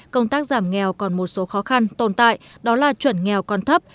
công tác giảm nghèo còn một số khó khăn tồn tại đó là chuẩn nghèo còn thấp